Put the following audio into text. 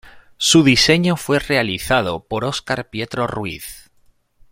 Su diseño fue realizado por Óscar Pietro Ruiz.